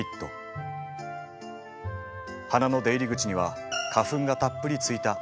花の出入り口には花粉がたっぷりついたおしべがあります。